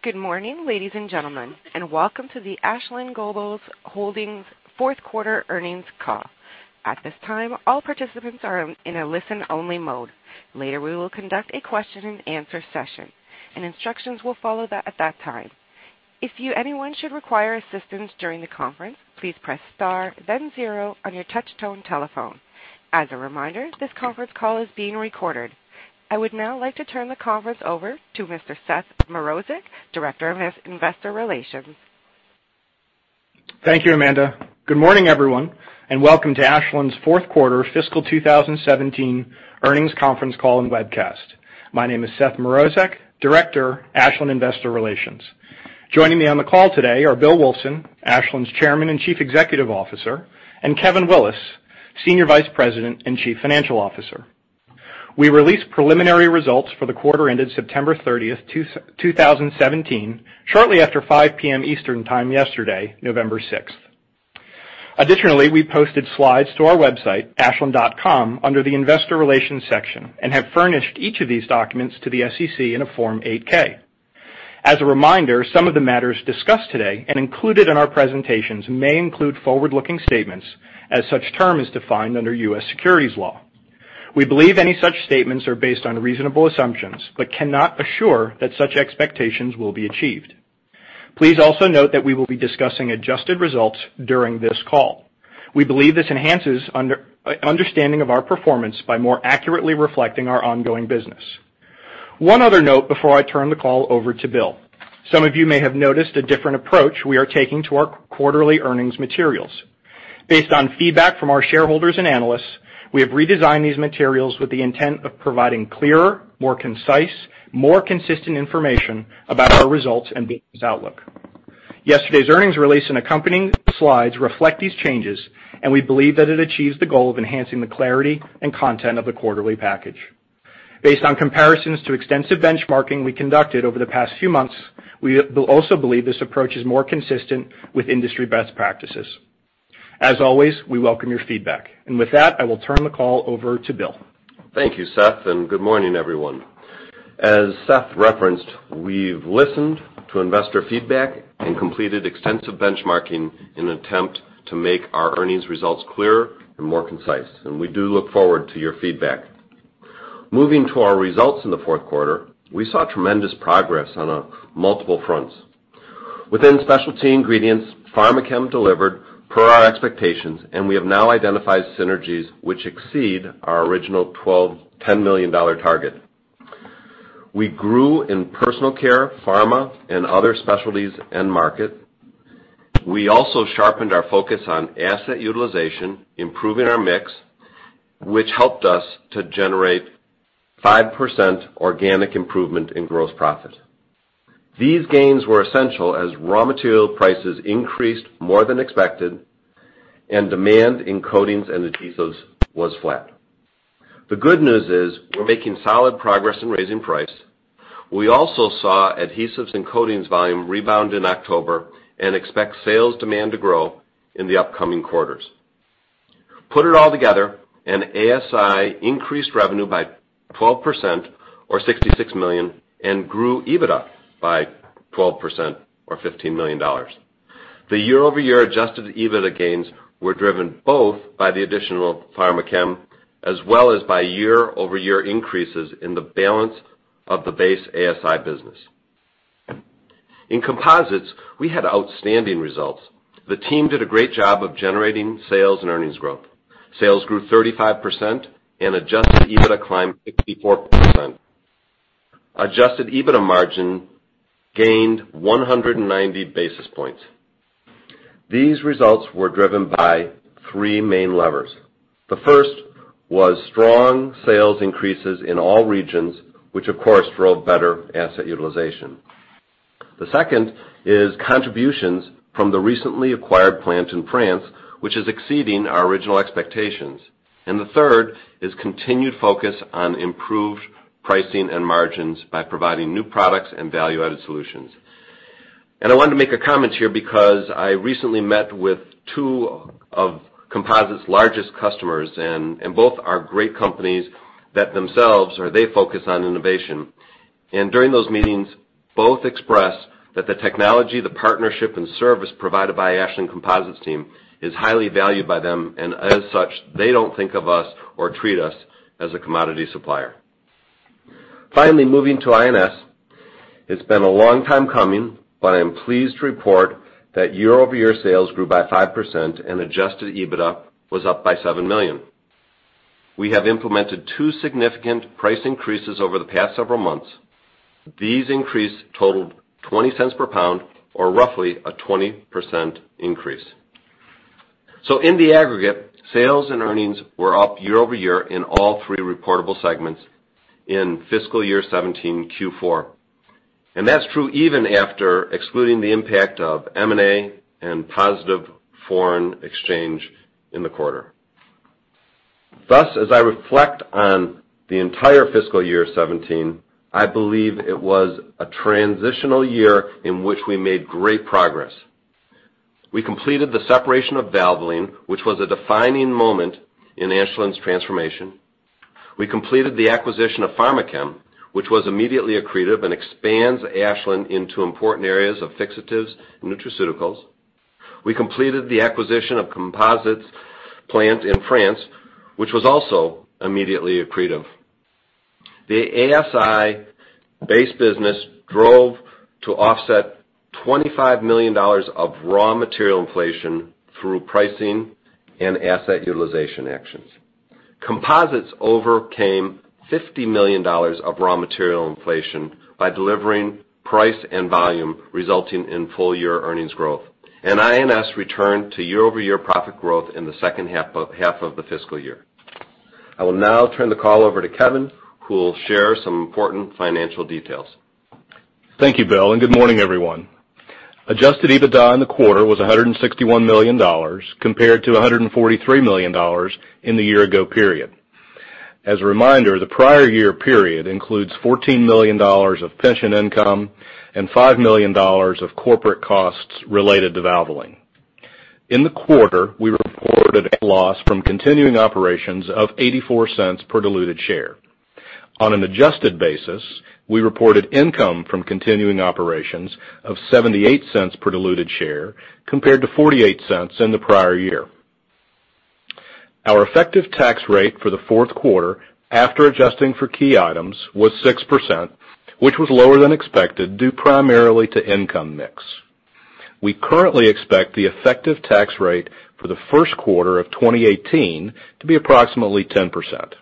Good morning, ladies and gentlemen, and welcome to the Ashland Global Holdings fourth quarter earnings call. At this time, all participants are in a listen-only mode. Later, we will conduct a question and answer session, and instructions will follow that at that time. If anyone should require assistance during the conference, please press star then zero on your touch-tone telephone. As a reminder, this conference call is being recorded. I would now like to turn the conference over to Mr. Seth Morozewicz, Director of Investor Relations. Thank you, Amanda. Good morning, everyone, and welcome to Ashland's fourth quarter fiscal 2017 earnings conference call and webcast. My name is Seth Morozewicz, Director, Ashland Investor Relations. Joining me on the call today are Bill Wulfsohn, Ashland's Chairman and Chief Executive Officer, and Kevin Willis, Senior Vice President and Chief Financial Officer. We released preliminary results for the quarter ended September 30th, 2017, shortly after 5:00 P.M. Eastern Time yesterday, November 6th. Additionally, we posted slides to our website, ashland.com, under the investor relations section and have furnished each of these documents to the SEC in a Form 8-K. As a reminder, some of the matters discussed today and included in our presentations may include forward-looking statements as such term is defined under U.S. securities law. Please also note that we will be discussing adjusted results during this call. We believe this enhances understanding of our performance by more accurately reflecting our ongoing business. One other note before I turn the call over to Bill. Some of you may have noticed a different approach we are taking to our quarterly earnings materials. Based on feedback from our shareholders and analysts, we have redesigned these materials with the intent of providing clearer, more concise, more consistent information about our results and business outlook. Yesterday's earnings release and accompanying slides reflect these changes, and we believe that it achieves the goal of enhancing the clarity and content of the quarterly package. Based on comparisons to extensive benchmarking we conducted over the past few months, we also believe this approach is more consistent with industry best practices. As always, we welcome your feedback. With that, I will turn the call over to Bill. Good morning, everyone. As Seth referenced, we've listened to investor feedback and completed extensive benchmarking in an attempt to make our earnings results clearer and more concise. We do look forward to your feedback. Moving to our results in the fourth quarter, we saw tremendous progress on multiple fronts. Within Specialty Ingredients, Pharmachem delivered per our expectations. We have now identified synergies which exceed our original $10 million target. We grew in personal care, pharma, and other specialties end market. We also sharpened our focus on asset utilization, improving our mix, which helped us to generate 5% organic improvement in gross profit. These gains were essential as raw material prices increased more than expected. Demand in coatings and adhesives was flat. Good news is we're making solid progress in raising price. We also saw adhesives and coatings volume rebound in October. We expect sales demand to grow in the upcoming quarters. Put it all together, ASI increased revenue by 12%, or $66 million, and grew EBITDA by 12%, or $15 million. The year-over-year adjusted EBITDA gains were driven both by the additional Pharmachem, as well as by year-over-year increases in the balance of the base ASI business. In Composites, we had outstanding results. The team did a great job of generating sales and earnings growth. Sales grew 35%, and adjusted EBITDA climbed 54%. Adjusted EBITDA margin gained 190 basis points. These results were driven by three main levers. The first was strong sales increases in all regions, which, of course, drove better asset utilization. The second is contributions from the recently acquired plant in France, which is exceeding our original expectations. The third is continued focus on improved pricing and margins by providing new products and value-added solutions. I wanted to make a comment here because I recently met with two of Composites' largest customers. Both are great companies that themselves are focused on innovation. During those meetings, both expressed that the technology, the partnership, and service provided by Ashland Composites team is highly valued by them. As such, they don't think of us or treat us as a commodity supplier. Finally, moving to I&S. It's been a long time coming, but I am pleased to report that year-over-year sales grew by 5%. Adjusted EBITDA was up by $7 million. We have implemented two significant price increases over the past several months. These increases totaled $0.20 per pound or roughly a 20% increase. In the aggregate, sales and earnings were up year-over-year in all three reportable segments in fiscal year 2017 Q4. That's true even after excluding the impact of M&A and positive foreign exchange in the quarter. As I reflect on the entire fiscal year of 2017, I believe it was a transitional year in which we made great progress. We completed the separation of Valvoline, which was a defining moment in Ashland's transformation. We completed the acquisition of Pharmachem, which was immediately accretive and expands Ashland into important areas of fixatives and nutraceuticals. We completed the acquisition of Composites plant in France, which was also immediately accretive. The ASI base business drove to offset $25 million of raw material inflation through pricing and asset utilization actions. Composites overcame $50 million of raw material inflation by delivering price and volume, resulting in full-year earnings growth. I&S returned to year-over-year profit growth in the second half of the fiscal year. I will now turn the call over to Kevin, who will share some important financial details. Thank you, Bill. Good morning, everyone. Adjusted EBITDA in the quarter was $161 million compared to $143 million in the year-ago period. As a reminder, the prior year period includes $14 million of pension income and $5 million of corporate costs related to Valvoline. In the quarter, we reported a loss from continuing operations of $0.84 per diluted share. On an adjusted basis, we reported income from continuing operations of $0.78 per diluted share compared to $0.48 in the prior year. Our effective tax rate for the fourth quarter, after adjusting for key items, was 6%, which was lower than expected, due primarily to income mix. We currently expect the effective tax rate for the first quarter of 2018 to be approximately 10%.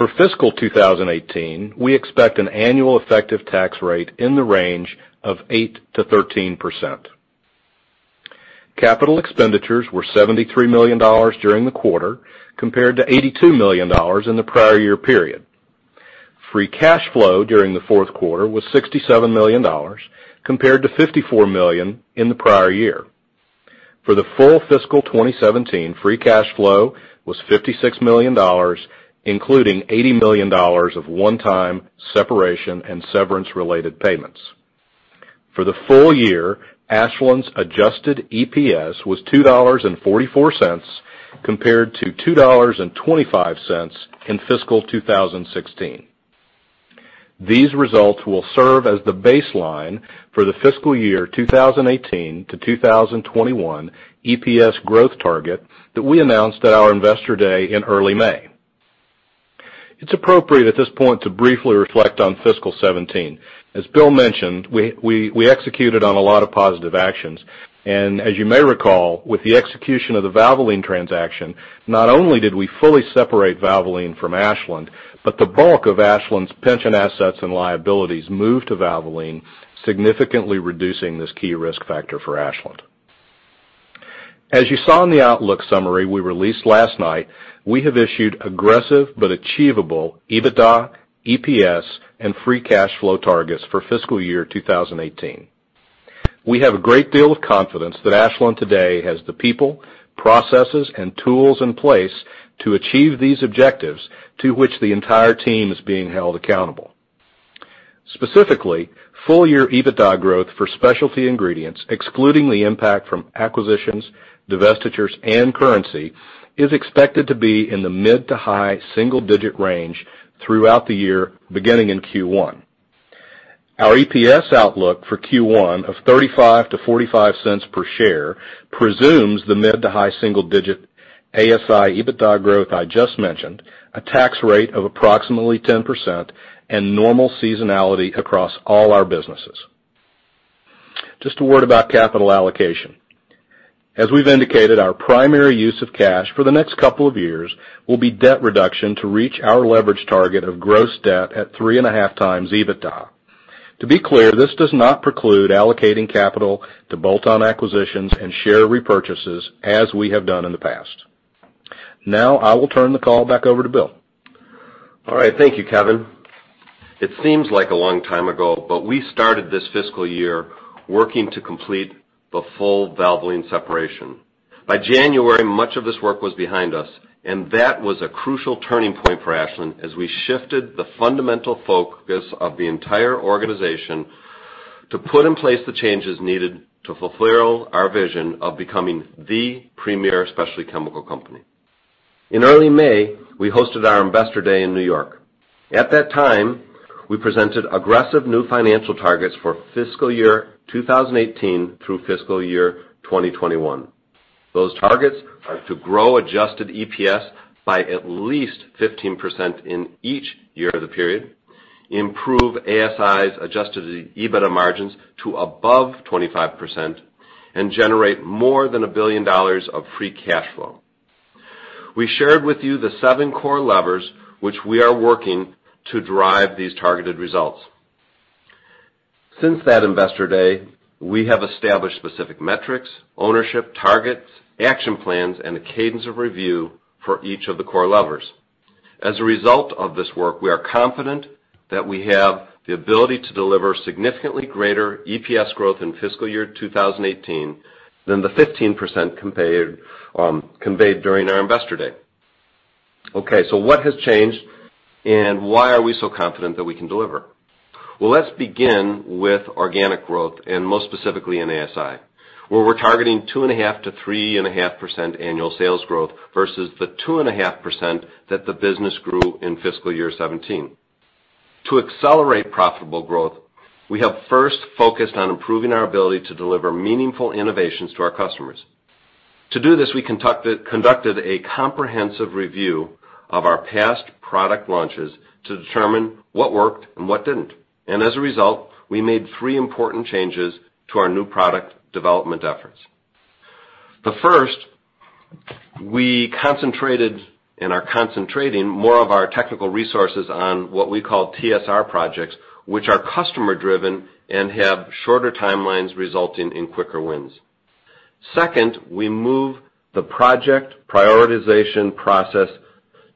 For fiscal 2018, we expect an annual effective tax rate in the range of 8%-13%. Capital expenditures were $73 million during the quarter, compared to $82 million in the prior year period. Free cash flow during the fourth quarter was $67 million, compared to $54 million in the prior year. For the full fiscal 2017, free cash flow was $56 million, including $80 million of one-time separation and severance-related payments. For the full year, Ashland's adjusted EPS was $2.44 compared to $2.25 in fiscal 2016. These results will serve as the baseline for the fiscal year 2018 to 2021 EPS growth target that we announced at our Investor Day in early May. It is appropriate at this point to briefly reflect on fiscal 2017. As Bill mentioned, we executed on a lot of positive actions. As you may recall, with the execution of the Valvoline transaction, not only did we fully separate Valvoline from Ashland, but the bulk of Ashland's pension assets and liabilities moved to Valvoline, significantly reducing this key risk factor for Ashland. As you saw in the outlook summary we released last night, we have issued aggressive but achievable EBITDA, EPS, and free cash flow targets for fiscal year 2018. We have a great deal of confidence that Ashland today has the people, processes, and tools in place to achieve these objectives to which the entire team is being held accountable. Specifically, full-year EBITDA growth for Specialty Ingredients, excluding the impact from acquisitions, divestitures, and currency, is expected to be in the mid to high single-digit range throughout the year, beginning in Q1. Our EPS outlook for Q1 of $0.35-$0.45 per share presumes the mid to high single-digit ASI EBITDA growth I just mentioned, a tax rate of approximately 10%, and normal seasonality across all our businesses. Just a word about capital allocation. As we've indicated, our primary use of cash for the next couple of years will be debt reduction to reach our leverage target of gross debt at 3.5 times EBITDA. To be clear, this does not preclude allocating capital to bolt-on acquisitions and share repurchases as we have done in the past. I will turn the call back over to Bill. Thank you, Kevin. It seems like a long time ago, we started this fiscal year working to complete the full Valvoline separation. By January, much of this work was behind us, that was a crucial turning point for Ashland as we shifted the fundamental focus of the entire organization to put in place the changes needed to fulfill our vision of becoming the premier specialty chemical company. In early May, we hosted our Investor Day in New York. At that time, we presented aggressive new financial targets for fiscal year 2018 through fiscal year 2021. Those targets are to grow adjusted EPS by at least 15% in each year of the period, improve ASI's adjusted EBITDA margins to above 25%, and generate more than $1 billion of free cash flow. We shared with you the seven core levers which we are working to drive these targeted results. Since that Investor Day, we have established specific metrics, ownership targets, action plans, and a cadence of review for each of the core levers. As a result of this work, we are confident that we have the ability to deliver significantly greater EPS growth in fiscal year 2018 than the 15% conveyed during our Investor Day. What has changed, and why are we so confident that we can deliver? Let's begin with organic growth, and most specifically in ASI, where we're targeting 2.5%-3.5% annual sales growth versus the 2.5% that the business grew in fiscal year 2017. To accelerate profitable growth, we have first focused on improving our ability to deliver meaningful innovations to our customers. To do this, we conducted a comprehensive review of our past product launches to determine what worked and what didn't. As a result, we made three important changes to our new product development efforts. The first, we concentrated and are concentrating more of our technical resources on what we call TSR projects, which are customer-driven and have shorter timelines, resulting in quicker wins. Second, we move the project prioritization process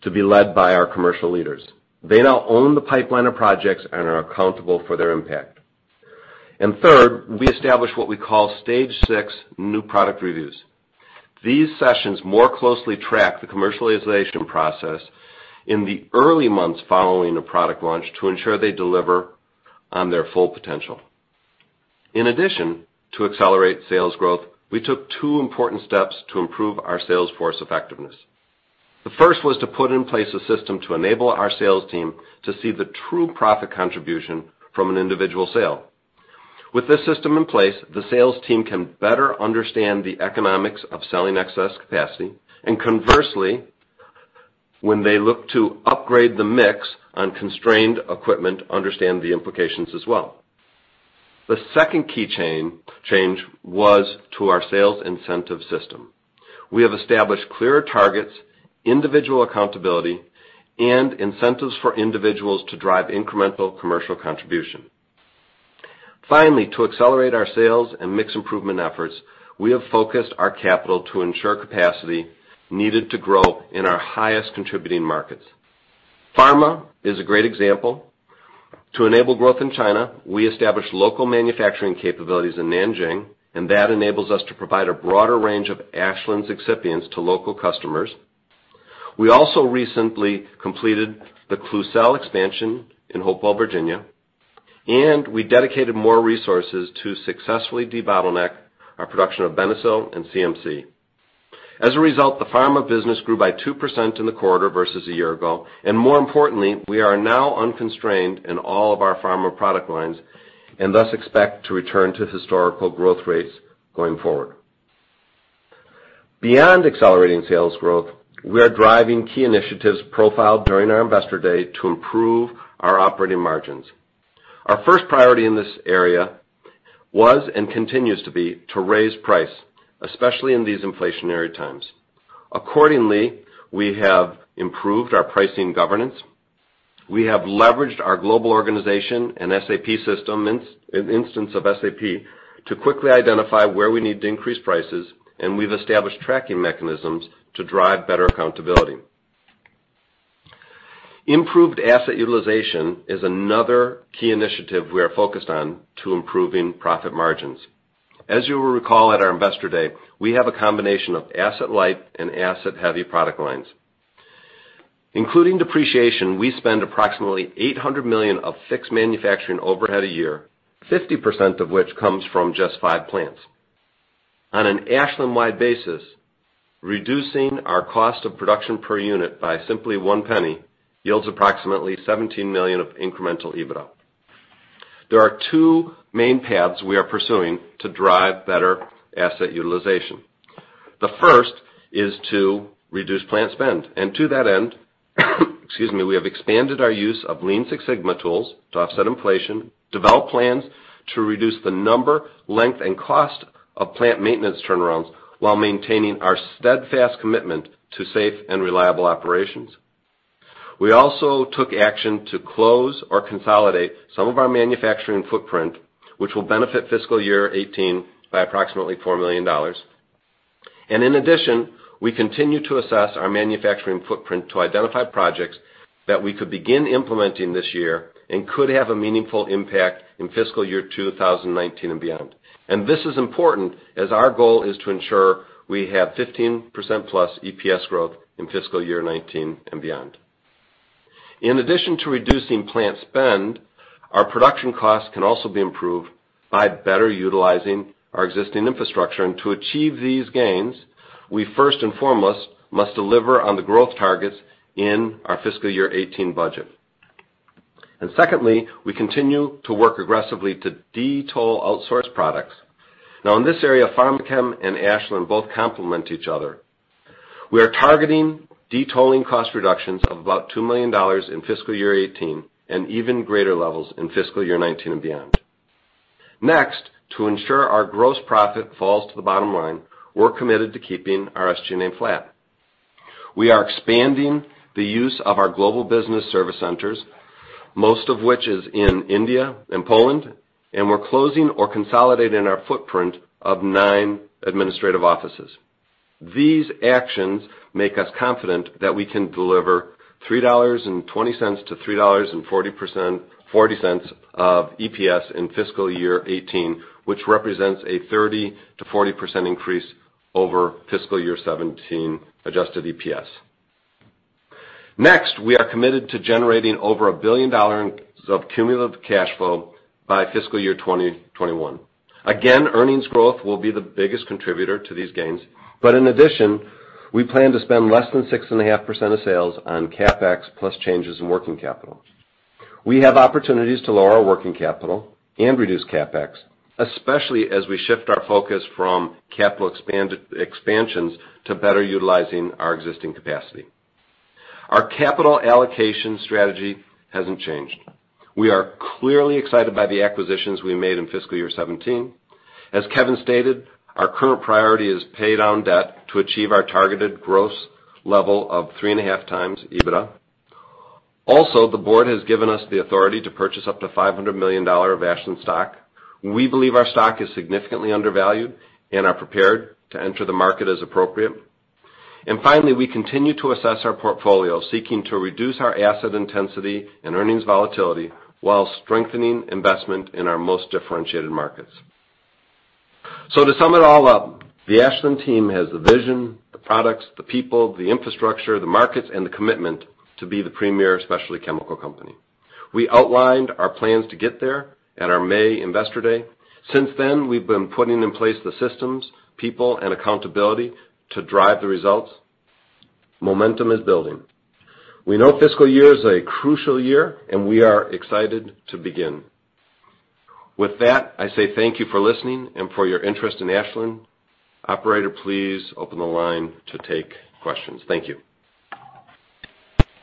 to be led by our commercial leaders. They now own the pipeline of projects and are accountable for their impact. And third, we established what we call Stage 6 New Product Reviews. These sessions more closely track the commercialization process in the early months following a product launch to ensure they deliver on their full potential. In addition to accelerate sales growth, we took two important steps to improve our sales force effectiveness. The first was to put in place a system to enable our sales team to see the true profit contribution from an individual sale. With this system in place, the sales team can better understand the economics of selling excess capacity, and conversely, when they look to upgrade the mix on constrained equipment, understand the implications as well. The second key change was to our sales incentive system. We have established clearer targets, individual accountability, and incentives for individuals to drive incremental commercial contribution. Finally, to accelerate our sales and mix improvement efforts, we have focused our capital to ensure capacity needed to grow in our highest contributing markets. Pharma is a great example. To enable growth in China, we established local manufacturing capabilities in Nanjing, and that enables us to provide a broader range of Ashland excipients to local customers. We also recently completed the Klucel expansion in Hopewell, Virginia, and we dedicated more resources to successfully debottleneck our production of Benecel and CMC. As a result, the pharma business grew by 2% in the quarter versus a year ago, and more importantly, we are now unconstrained in all of our pharma product lines, and thus expect to return to historical growth rates going forward. Beyond accelerating sales growth, we are driving key initiatives profiled during our investor day to improve our operating margins. Our first priority in this area was and continues to be to raise price, especially in these inflationary times. Accordingly, we have improved our pricing governance. We have leveraged our global organization and SAP system in instance of SAP to quickly identify where we need to increase prices, and we've established tracking mechanisms to drive better accountability. Improved asset utilization is another key initiative we are focused on to improving profit margins. As you will recall at our investor day, we have a combination of asset-light and asset-heavy product lines. Including depreciation, we spend approximately $800 million of fixed manufacturing overhead a year, 50% of which comes from just five plants. On an Ashland-wide basis, reducing our cost of production per unit by simply $0.01 yields approximately $17 million of incremental EBITDA. There are two main paths we are pursuing to drive better asset utilization. The first is to reduce plant spend. To that end, we have expanded our use of Lean Six Sigma tools to offset inflation, develop plans to reduce the number, length, and cost of plant maintenance turnarounds while maintaining our steadfast commitment to safe and reliable operations. We also took action to close or consolidate some of our manufacturing footprint, which will benefit fiscal year 2018 by approximately $4 million. In addition, we continue to assess our manufacturing footprint to identify projects that we could begin implementing this year and could have a meaningful impact in fiscal year 2019 and beyond. This is important as our goal is to ensure we have 15% plus EPS growth in fiscal year 2019 and beyond. In addition to reducing plant spend, our production costs can also be improved by better utilizing our existing infrastructure. To achieve these gains, we first and foremost must deliver on the growth targets in our fiscal year 2018 budget. Secondly, we continue to work aggressively to de-toll outsource products. Now, in this area, Pharmachem and Ashland both complement each other. We are targeting de-tolling cost reductions of about $2 million in fiscal year 2018 and even greater levels in fiscal year 2019 and beyond. To ensure our gross profit falls to the bottom line, we're committed to keeping our SG&A flat. We are expanding the use of our global business service centers, most of which is in India and Poland, and we're closing or consolidating our footprint of nine administrative offices. These actions make us confident that we can deliver $3.20-$3.40 of EPS in fiscal year 2018, which represents a 30%-40% increase over fiscal year 2017 adjusted EPS. We are committed to generating over a billion dollars of cumulative cash flow by fiscal year 2021. Earnings growth will be the biggest contributor to these gains. In addition, we plan to spend less than 6.5% of sales on CapEx plus changes in working capital. We have opportunities to lower our working capital and reduce CapEx, especially as we shift our focus from capital expansions to better utilizing our existing capacity. Our capital allocation strategy hasn't changed. We are clearly excited by the acquisitions we made in fiscal year 2017. As Kevin stated, our current priority is pay down debt to achieve our targeted gross level of 3.5x EBITDA. The board has given us the authority to purchase up to $500 million of Ashland stock. We believe our stock is significantly undervalued and are prepared to enter the market as appropriate. Finally, we continue to assess our portfolio, seeking to reduce our asset intensity and earnings volatility while strengthening investment in our most differentiated markets. To sum it all up, the Ashland team has the vision, the products, the people, the infrastructure, the markets, and the commitment to be the premier specialty chemical company. We outlined our plans to get there at our May investor day. Since then, we've been putting in place the systems, people, and accountability to drive the results. Momentum is building. We know this fiscal year is a crucial year, and we are excited to begin. With that, I say thank you for listening and for your interest in Ashland. Operator, please open the line to take questions. Thank you.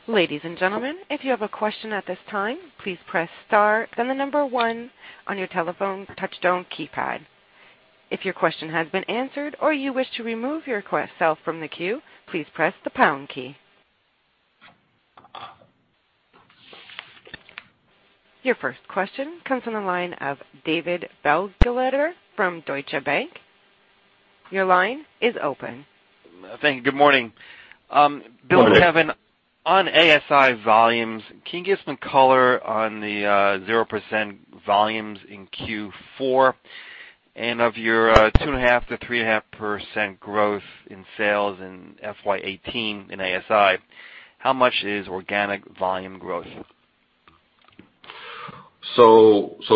Ladies and gentlemen, if you have a question at this time, please press star, then the number one on your telephone touchtone keypad. If your question has been answered or you wish to remove yourself from the queue, please press the pound key. Your first question comes from the line of David Begleiter from Deutsche Bank. Your line is open. Thank you. Good morning. Good morning. Bill and Kevin, on ASI volumes, can you give some color on the 0% volumes in Q4? Of your 2.5%-3.5% growth in sales in FY 2018 in ASI, how much is organic volume growth? First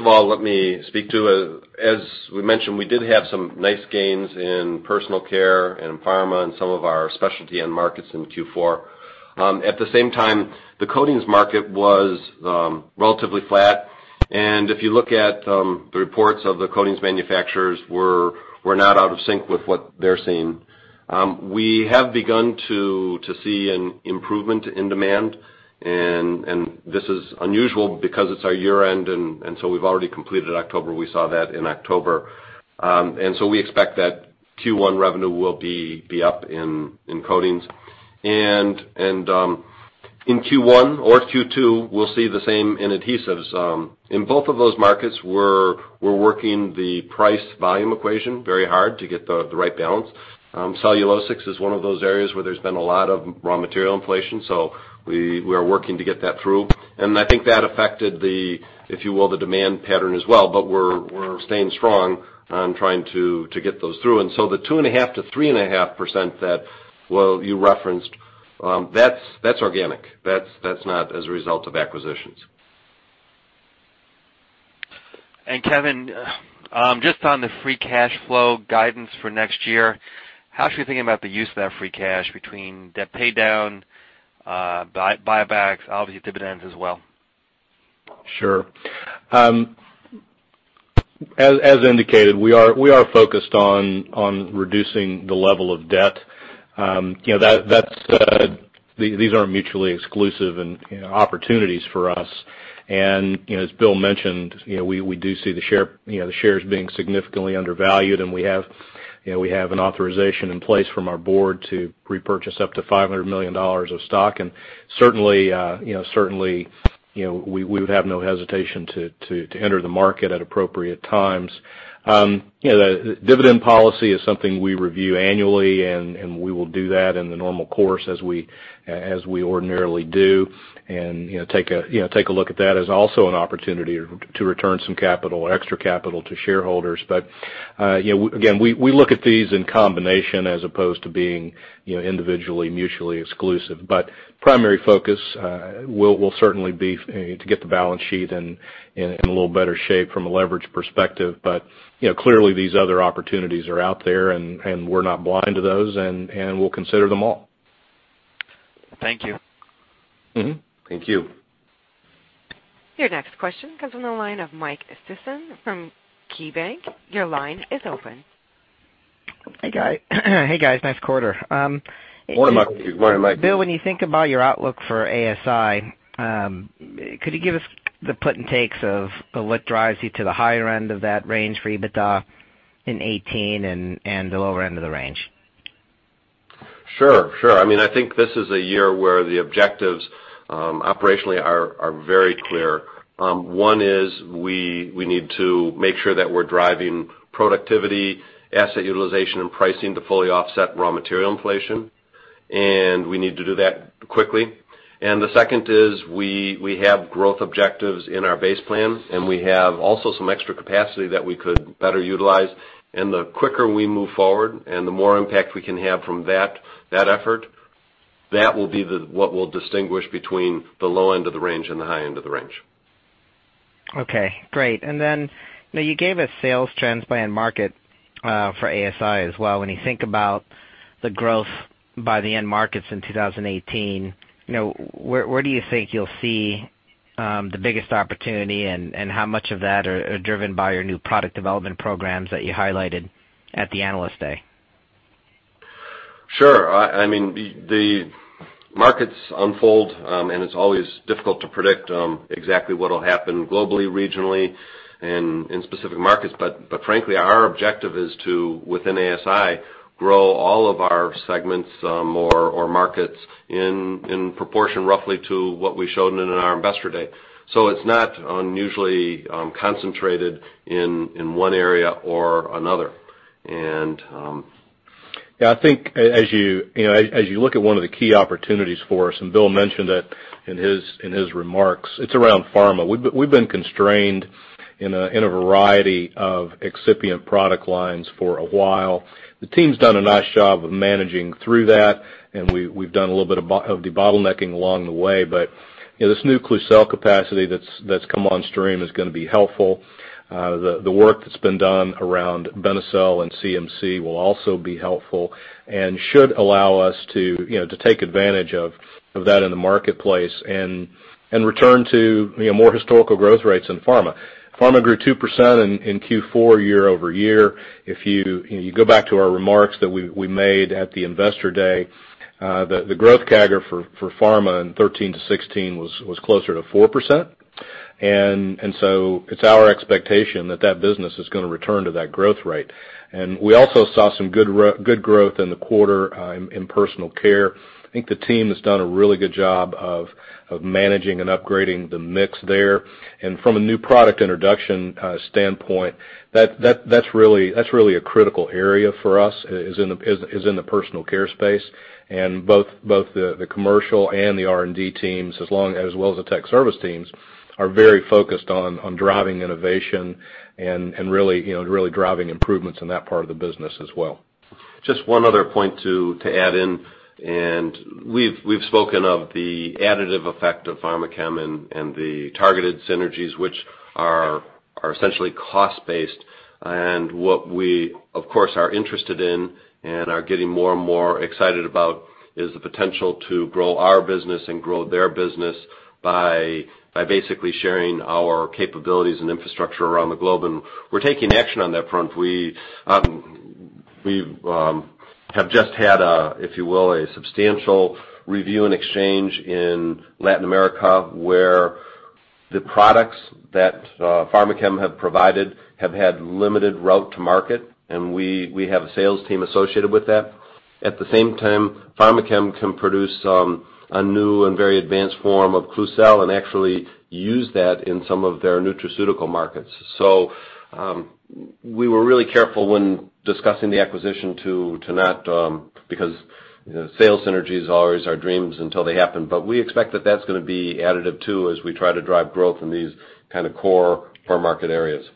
of all, let me speak to it. As we mentioned, we did have some nice gains in personal care and pharma and some of our specialty end markets in Q4. At the same time, the coatings market was relatively flat. If you look at the reports of the coatings manufacturers, we're not out of sync with what they're seeing. We have begun to see an improvement in demand, and this is unusual because it's our year-end, and so we've already completed October. We saw that in October. We expect that Q1 revenue will be up in coatings. In Q1 or Q2, we'll see the same in adhesives. In both of those markets, we're working the price-volume equation very hard to get the right balance. cellulosics is one of those areas where there's been a lot of raw material inflation. We are working to get that through. I think that affected the, if you will, the demand pattern as well. We're staying strong on trying to get those through. The 2.5%-3.5% that you referenced, that's organic. That's not as a result of acquisitions. Kevin, just on the free cash flow guidance for next year, how should we think about the use of that free cash between debt paydown, buybacks, obviously dividends as well? Sure. As indicated, we are focused on reducing the level of debt. These aren't mutually exclusive opportunities for us. As Bill mentioned, we do see the shares being significantly undervalued, and we have an authorization in place from our board to repurchase up to $500 million of stock. Certainly, we would have no hesitation to enter the market at appropriate times. The dividend policy is something we review annually, and we will do that in the normal course as we ordinarily do, and take a look at that as also an opportunity to return some capital, extra capital to shareholders. Again, we look at these in combination as opposed to being individually mutually exclusive. Primary focus will certainly be to get the balance sheet in a little better shape from a leverage perspective. Clearly, these other opportunities are out there, and we're not blind to those, and we'll consider them all. Thank you. Thank you. Your next question comes from the line of Mike Sison from KeyBanc. Your line is open. Hey, guys. Nice quarter. Morning, Mike. Bill, when you think about your outlook for ASI, could you give us the put and takes of what drives you to the higher end of that range for EBITDA in 2018 and the lower end of the range? Sure. I think this is a year where the objectives operationally are very clear. One is we need to make sure that we're driving productivity, asset utilization, and pricing to fully offset raw material inflation. We need to do that quickly. The second is we have growth objectives in our base plan, we have also some extra capacity that we could better utilize. The quicker we move forward and the more impact we can have from that effort, that will be what will distinguish between the low end of the range and the high end of the range. Okay, great. Then, you gave a sales trends by end market for ASI as well. When you think about the growth by the end markets in 2018, where do you think you'll see the biggest opportunity, and how much of that are driven by your new product development programs that you highlighted at the Analyst Day? Sure. The markets unfold, and it's always difficult to predict exactly what will happen globally, regionally, and in specific markets. Frankly, our objective is to, within ASI, grow all of our segments or markets in proportion roughly to what we showed in our Investor Day. It's not unusually concentrated in one area or another. I think as you look at one of the key opportunities for us, Bill mentioned it in his remarks, it's around pharma. We've been constrained in a variety of excipient product lines for a while. The team's done a nice job of managing through that, and we've done a little bit of debottlenecking along the way. This new Klucel capacity that's come on stream is going to be helpful. The work that's been done around Benecel and CMC will also be helpful and should allow us to take advantage of that in the marketplace and return to more historical growth rates in pharma. Pharma grew 2% in Q4 year-over-year. If you go back to our remarks that we made at the Investor Day, the growth CAGR for pharma in 2013 to 2016 was closer to 4%. It's our expectation that that business is going to return to that growth rate. We also saw some good growth in the quarter in personal care. I think the team has done a really good job of managing and upgrading the mix there. From a new product introduction standpoint, that's really a critical area for us, is in the personal care space. Both the commercial and the R&D teams, as well as the tech service teams, are very focused on driving innovation and really driving improvements in that part of the business as well. Just one other point to add in. We've spoken of the additive effect of Pharmachem and the targeted synergies, which are essentially cost-based. What we, of course, are interested in and are getting more and more excited about is the potential to grow our business and grow their business by basically sharing our capabilities and infrastructure around the globe. We're taking action on that front. We have just had a, if you will, a substantial review and exchange in Latin America, where the products that Pharmachem have provided have had limited route to market, and we have a sales team associated with that. At the same time, Pharmachem can produce a new and very advanced form of Klucel and actually use that in some of their nutraceutical markets. We were really careful when discussing the acquisition because sales synergies are always our dreams until they happen. We expect that that's going to be additive too, as we try to drive growth in these kind of core market areas.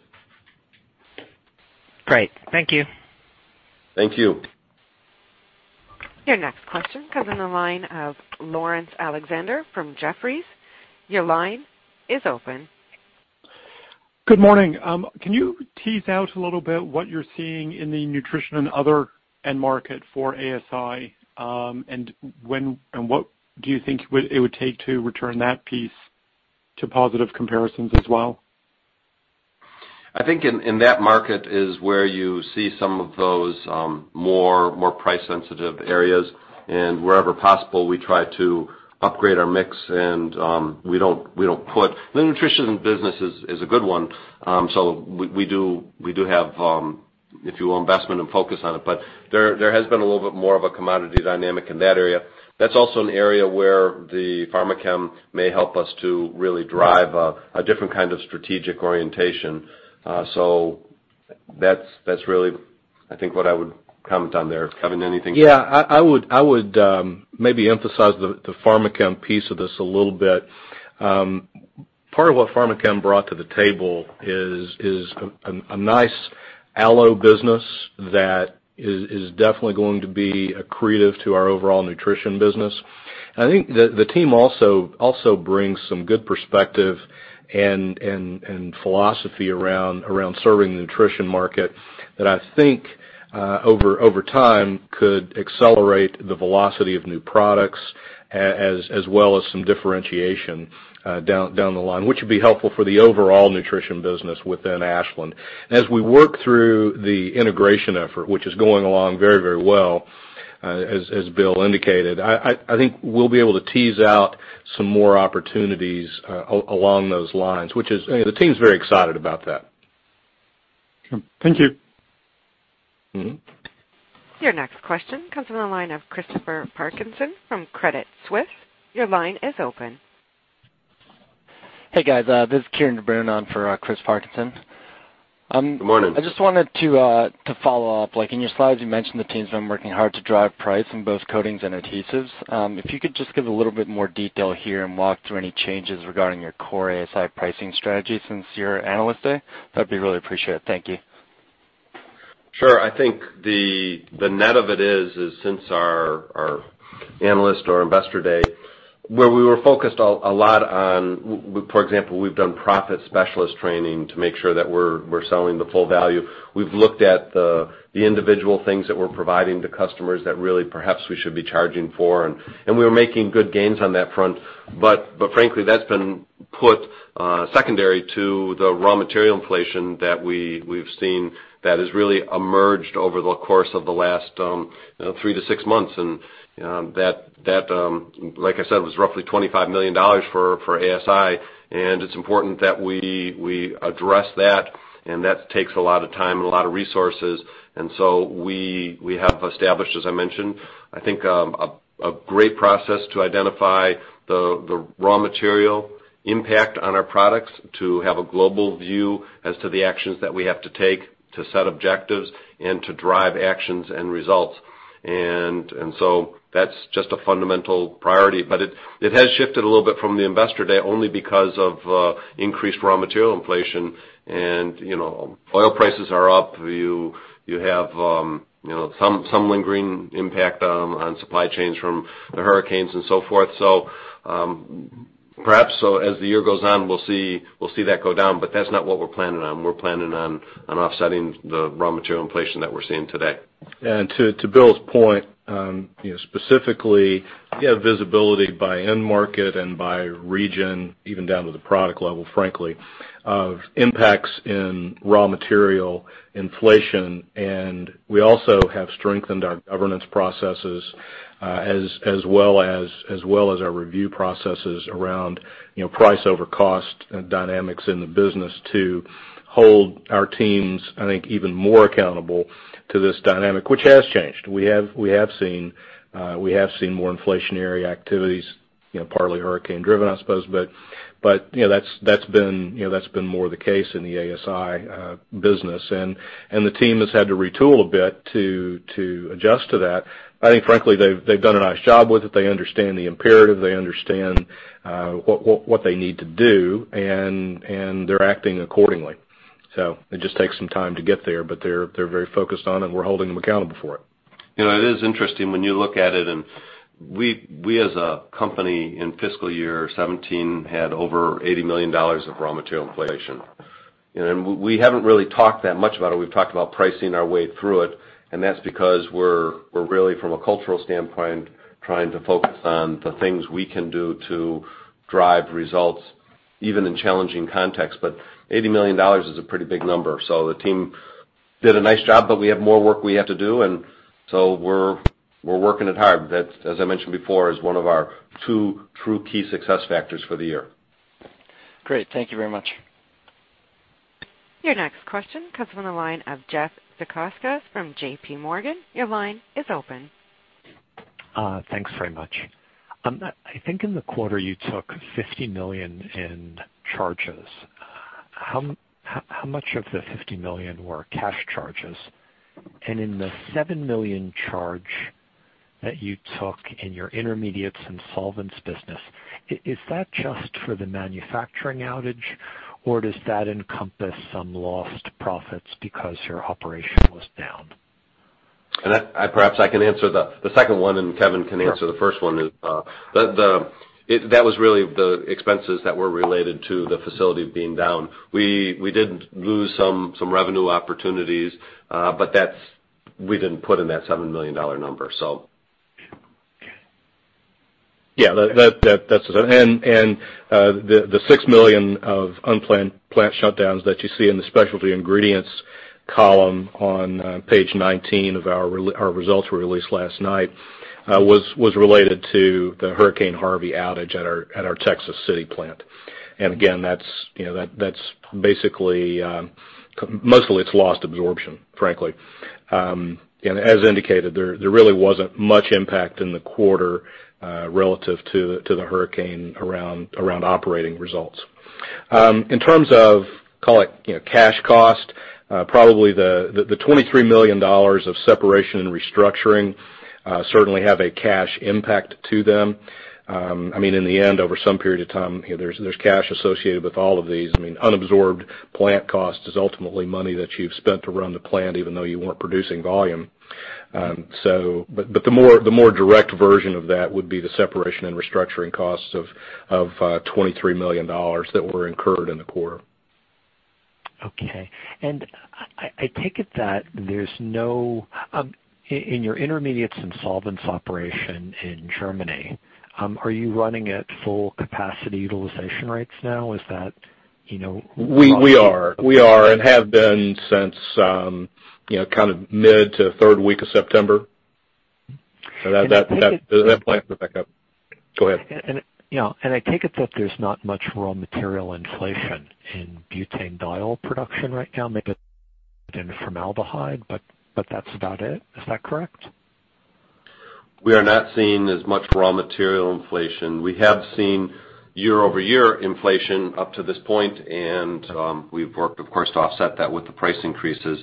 Great. Thank you. Thank you. Your next question comes on the line of Laurence Alexander from Jefferies. Your line is open. Good morning. Can you tease out a little bit what you're seeing in the nutrition and other end market for ASI, and what do you think it would take to return that piece to positive comparisons as well? I think in that market is where you see some of those more price sensitive areas. Wherever possible, we try to upgrade our mix, the nutrition business is a good one, we do have, if you will, investment and focus on it. There has been a little bit more of a commodity dynamic in that area. That's also an area where the Pharmachem may help us to really drive a different kind of strategic orientation. That's really, I think, what I would comment on there. Kevin, anything- Yeah. I would maybe emphasize the Pharmachem piece of this a little bit. Part of what Pharmachem brought to the table is a nice aloe business that is definitely going to be accretive to our overall nutrition business. I think the team also brings some good perspective and philosophy around serving the nutrition market that I think over time could accelerate the velocity of new products as well as some differentiation down the line, which would be helpful for the overall nutrition business within Ashland. As we work through the integration effort, which is going along very well, as Bill indicated, I think we'll be able to tease out some more opportunities along those lines. The team's very excited about that. Thank you. Your next question comes from the line of Christopher Parkinson from Credit Suisse. Your line is open. Hey guys, this is Kieran de Brun on for Chris Parkinson. Good morning. I just wanted to follow up. In your slides, you mentioned the teams have been working hard to drive price in both coatings and adhesives. If you could just give a little bit more detail here and walk through any changes regarding your core ASI pricing strategy since your Analyst Day, that'd be really appreciated. Thank you. Sure. I think the net of it is, since our Analyst or Investor Day, where we were focused a lot on, for example, we've done profit specialist training to make sure that we're selling the full value. We've looked at the individual things that we're providing to customers that really perhaps we should be charging for, and we were making good gains on that front. Frankly, that's been put secondary to the raw material inflation that we've seen that has really emerged over the course of the last three to six months. That, like I said, was roughly $25 million for ASI, and it's important that we address that, and that takes a lot of time and a lot of resources. We have established, as I mentioned, I think, a great process to identify the raw material impact on our products, to have a global view as to the actions that we have to take to set objectives and to drive actions and results. That's just a fundamental priority. It has shifted a little bit from the Investor Day only because of increased raw material inflation. Oil prices are up. You have some lingering impact on supply chains from the hurricanes and so forth. Perhaps, as the year goes on, we'll see that go down, but that's not what we're planning on. We're planning on offsetting the raw material inflation that we're seeing today. To Bill's point, specifically, you have visibility by end market and by region, even down to the product level, frankly, of impacts in raw material inflation. We also have strengthened our governance processes as well as our review processes around price over cost dynamics in the business to hold our teams, I think, even more accountable to this dynamic, which has changed. We have seen more inflationary activities, partly hurricane driven, I suppose, but that's been more the case in the ASI business, and the team has had to retool a bit to adjust to that. I think, frankly, they've done a nice job with it. They understand the imperative. They understand what they need to do, and they're acting accordingly. It just takes some time to get there, but they're very focused on it, and we're holding them accountable for it. It is interesting when you look at it, we as a company in fiscal year 2017 had over $80 million of raw material inflation. We haven't really talked that much about it. We've talked about pricing our way through it, and that's because we're really, from a cultural standpoint, trying to focus on the things we can do to drive results, even in challenging context. $80 million is a pretty big number. The team did a nice job, but we have more work we have to do, we're working it hard. That, as I mentioned before, is one of our two true key success factors for the year. Great. Thank you very much. Your next question comes from the line of Jeff Zekauskas from J.P. Morgan. Your line is open. Thanks very much. I think in the quarter you took $50 million in charges. How much of the $50 million were cash charges? In the $7 million charge that you took in your Intermediates and Solvents business, is that just for the manufacturing outage, or does that encompass some lost profits because your operation was down? Perhaps I can answer the second one, and Kevin can answer the first one. That was really the expenses that were related to the facility being down. We did lose some revenue opportunities, but we didn't put in that $7 million number. Yeah, that's it. The $6 million of unplanned plant shutdowns that you see in the Specialty Ingredients column on page 19 of our results release last night was related to the Hurricane Harvey outage at our Texas City plant. Again, mostly it's lost absorption, frankly. As indicated, there really wasn't much impact in the quarter relative to the hurricane around operating results. In terms of, call it cash cost, probably the $23 million of separation and restructuring certainly have a cash impact to them. In the end, over some period of time, there's cash associated with all of these. Unabsorbed plant cost is ultimately money that you've spent to run the plant, even though you weren't producing volume. The more direct version of that would be the separation and restructuring costs of $23 million that were incurred in the quarter. Okay. I take it that in your Intermediates and Solvents operation in Germany, are you running at full capacity utilization rates now? We are, and have been since mid to third week of September. That plant was back up. Go ahead. I take it that there's not much raw material inflation in butanediol production right now, maybe in formaldehyde, but that's about it. Is that correct? We are not seeing as much raw material inflation. We have seen year-over-year inflation up to this point, we've worked, of course, to offset that with the price increases.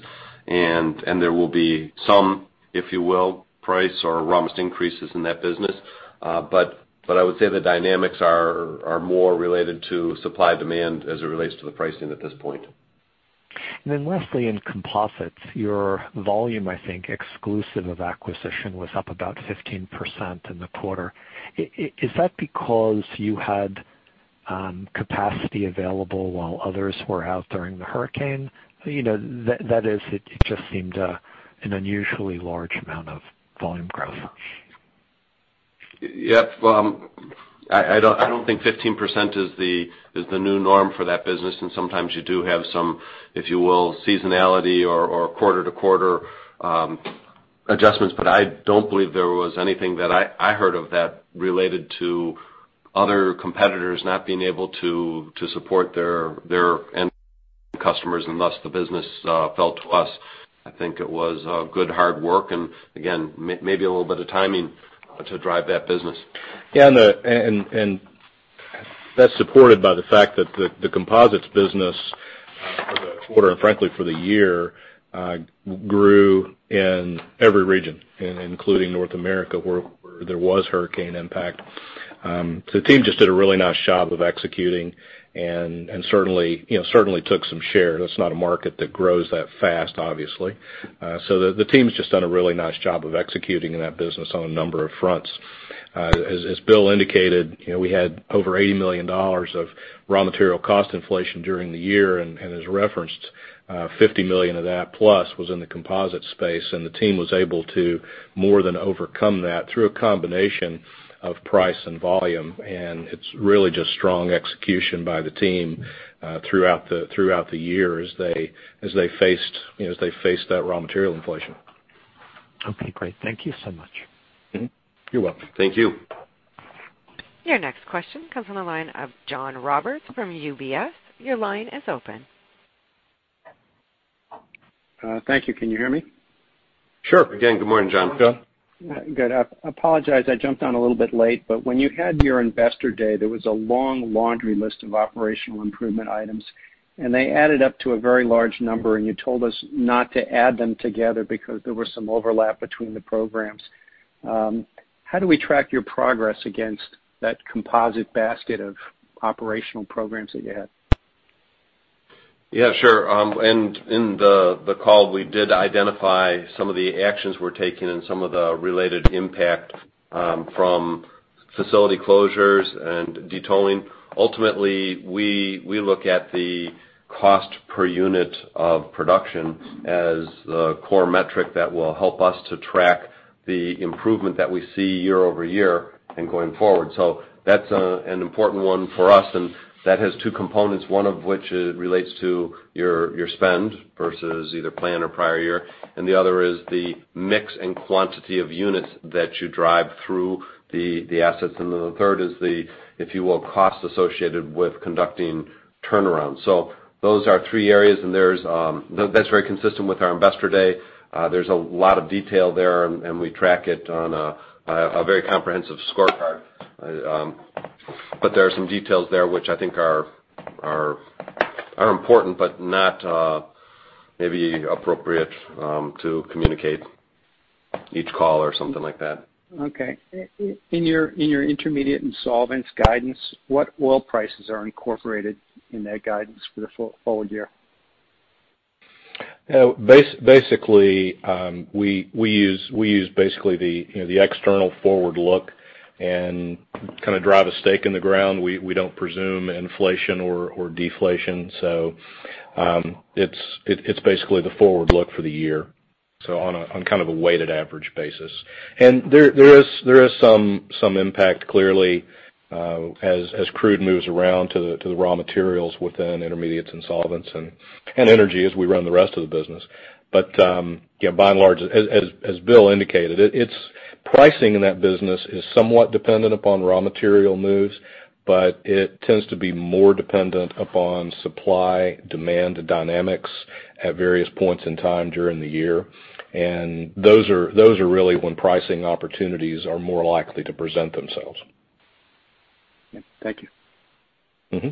There will be some, if you will, price or raw material increases in that business. I would say the dynamics are more related to supply-demand as it relates to the pricing at this point. Lastly, in Composites, your volume, I think, exclusive of acquisition, was up about 15% in the quarter. Is that because you had capacity available while others were out during the hurricane? That is, it just seemed an unusually large amount of volume growth. Yep. I don't think 15% is the new norm for that business, sometimes you do have some, if you will, seasonality or quarter-to-quarter adjustments. I don't believe there was anything that I heard of that related to other competitors not being able to support their end customers, thus the business fell to us. I think it was good hard work, again, maybe a little bit of timing to drive that business. That's supported by the fact that the Composites business for the quarter, frankly for the year, grew in every region, including North America, where there was hurricane impact. The team just did a really nice job of executing, certainly took some share. That's not a market that grows that fast, obviously. The team's just done a really nice job of executing in that business on a number of fronts. As Bill indicated, we had over $80 million of raw material cost inflation during the year, as referenced, $50 million of that plus was in the Composites space. The team was able to more than overcome that through a combination of price and volume. It's really just strong execution by the team throughout the year as they faced that raw material inflation. Okay, great. Thank you so much. Mm-hmm. You're welcome. Thank you. Your next question comes from the line of John Roberts from UBS. Your line is open. Thank you. Can you hear me? Sure. Again, good morning, John. John. Good. I apologize, I jumped on a little bit late. When you had your Investor Day, there was a long laundry list of operational improvement items. They added up to a very large number. You told us not to add them together because there was some overlap between the programs. How do we track your progress against that composite basket of operational programs that you had? Sure. In the call, we did identify some of the actions we're taking and some of the related impact from facility closures and de-tolling. Ultimately, we look at the cost per unit of production as the core metric that will help us to track the improvement that we see year-over-year and going forward. That's an important one for us. That has two components, one of which relates to your spend versus either plan or prior year. The other is the mix and quantity of units that you drive through the assets. The third is the, if you will, cost associated with conducting turnarounds. Those are three areas. That's very consistent with our Investor Day. There's a lot of detail there. We track it on a very comprehensive scorecard. There are some details there which I think are important, but not maybe appropriate to communicate each call or something like that. Okay. In your Intermediates and Solvents guidance, what oil prices are incorporated in that guidance for the full year? We use basically the external forward look and kind of drive a stake in the ground. We don't presume inflation or deflation. It's basically the forward look for the year, so on kind of a weighted average basis. There is some impact, clearly, as crude moves around to the raw materials within Intermediates and Solvents, and energy as we run the rest of the business. By and large, as Bill indicated, pricing in that business is somewhat dependent upon raw material moves, but it tends to be more dependent upon supply, demand dynamics at various points in time during the year. Those are really when pricing opportunities are more likely to present themselves. Thank you.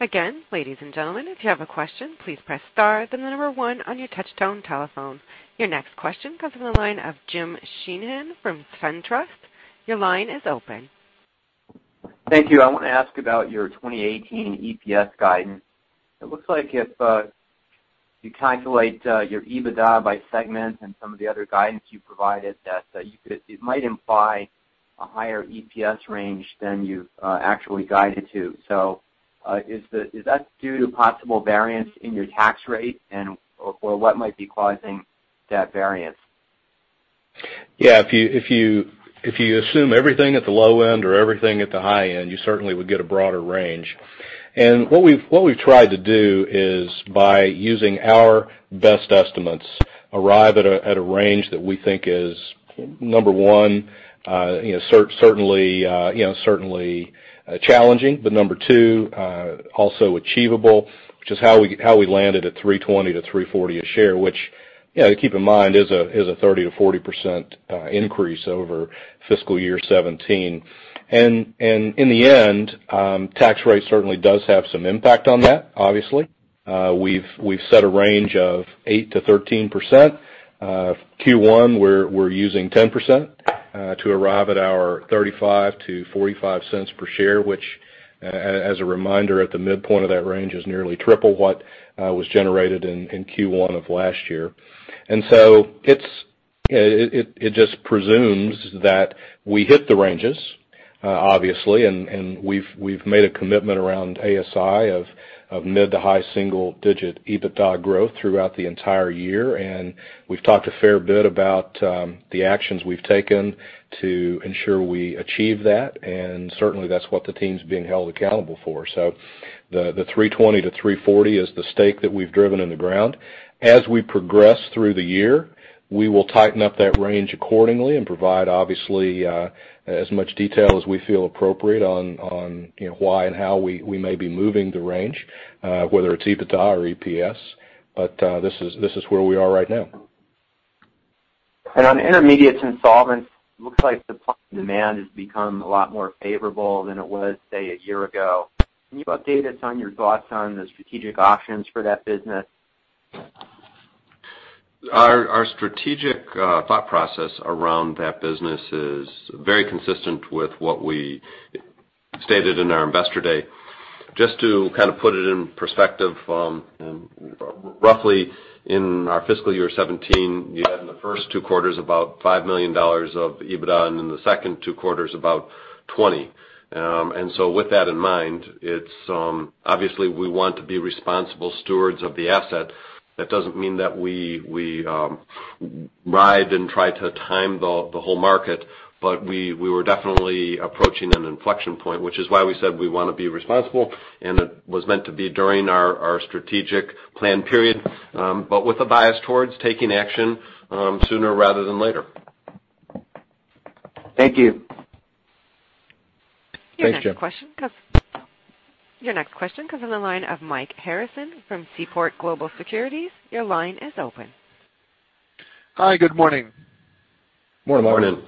Again, ladies and gentlemen, if you have a question, please press star, then the number one on your touchtone telephone. Your next question comes from the line of James Sheehan from SunTrust. Your line is open. Thank you. I want to ask about your 2018 EPS guidance. It looks like if you calculate your EBITDA by segment and some of the other guidance you provided, that it might imply a higher EPS range than you've actually guided to. Is that due to possible variance in your tax rate, or what might be causing that variance? Yeah. If you assume everything at the low end or everything at the high end, you certainly would get a broader range. What we've tried to do is by using our best estimates, arrive at a range that we think is, number one, certainly challenging, but number two also achievable, which is how we landed at $320 to $340 a share, which, to keep in mind, is a 30%-40% increase over FY 2017. In the end, tax rate certainly does have some impact on that, obviously. We've set a range of 8%-13%. Q1, we're using 10% to arrive at our $0.35 to $0.45 per share, which, as a reminder, at the midpoint of that range is nearly triple what was generated in Q1 of last year. It just presumes that we hit the ranges, obviously, and we've made a commitment around ASI of mid to high single-digit EBITDA growth throughout the entire year. We've talked a fair bit about the actions we've taken to ensure we achieve that, and certainly, that's what the team's being held accountable for. The $320 to $340 is the stake that we've driven in the ground. As we progress through the year, we will tighten up that range accordingly and provide, obviously, as much detail as we feel appropriate on why and how we may be moving the range, whether it's EBITDA or EPS. This is where we are right now. On Intermediates and Solvents, looks like supply and demand has become a lot more favorable than it was, say, a year ago. Can you update us on your thoughts on the strategic options for that business? Our strategic thought process around that business is very consistent with what we stated in our investor day. Just to put it in perspective, roughly in our fiscal year 2017, you had in the first 2 quarters about $5 million of EBITDA, and in the second 2 quarters about $20. With that in mind, obviously we want to be responsible stewards of the asset. That doesn't mean that we ride and try to time the whole market, but we were definitely approaching an inflection point, which is why we said we want to be responsible, and it was meant to be during our strategic plan period, but with a bias towards taking action sooner rather than later. Thank you. Thanks, Jim. Your next question comes from the line of Michael Harrison from Seaport Global Securities. Your line is open. Hi, good morning. Good morning.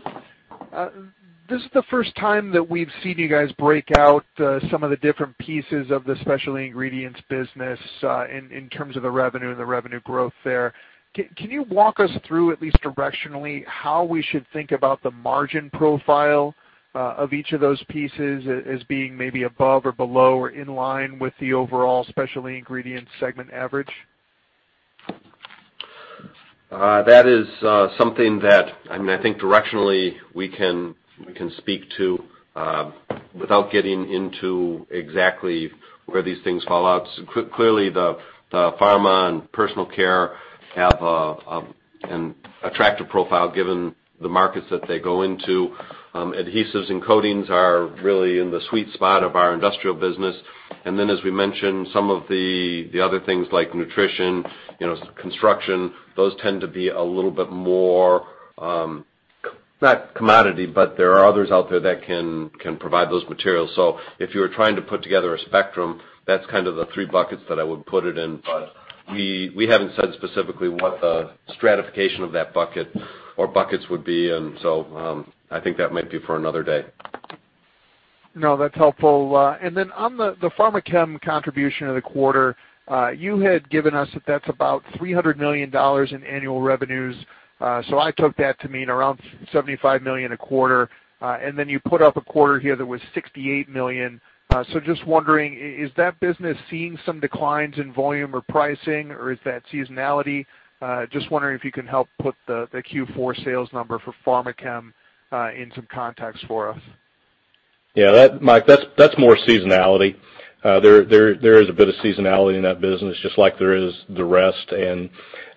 Morning. This is the first time that we've seen you guys break out some of the different pieces of the Specialty Ingredients business in terms of the revenue and the revenue growth there. Can you walk us through, at least directionally, how we should think about the margin profile of each of those pieces as being maybe above or below or in line with the overall Specialty Ingredients segment average? That is something that, I think directionally, we can speak to without getting into exactly where these things fall out. Clearly, the pharma and personal care have an attractive profile given the markets that they go into. Adhesives and coatings are really in the sweet spot of our industrial business. As we mentioned, some of the other things like nutrition, construction, those tend to be a little bit more, not commodity, but there are others out there that can provide those materials. If you were trying to put together a spectrum, that's kind of the three buckets that I would put it in. We haven't said specifically what the stratification of that bucket or buckets would be, I think that might be for another day. No, that's helpful. On the Pharmachem contribution of the quarter, you had given us that that's about $300 million in annual revenues. I took that to mean around $75 million a quarter. You put up a quarter here that was $68 million. Just wondering, is that business seeing some declines in volume or pricing, or is that seasonality? Just wondering if you can help put the Q4 sales number for Pharmachem in some context for us. Yeah, Mike, that's more seasonality. There is a bit of seasonality in that business, just like there is the rest.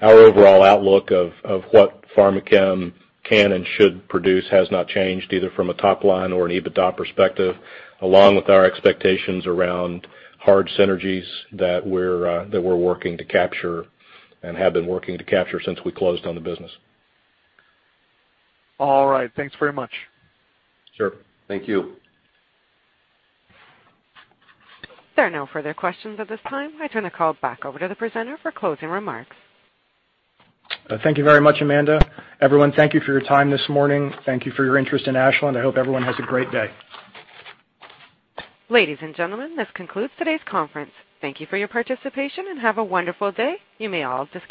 Our overall outlook of what Pharmachem can and should produce has not changed either from a top line or an EBITDA perspective, along with our expectations around hard synergies that we're working to capture and have been working to capture since we closed on the business. All right. Thanks very much. Sure. Thank you. There are no further questions at this time. I turn the call back over to the presenter for closing remarks. Thank you very much, Amanda. Everyone, thank you for your time this morning. Thank you for your interest in Ashland. I hope everyone has a great day. Ladies and gentlemen, this concludes today's conference. Thank you for your participation, and have a wonderful day. You may all disconnect.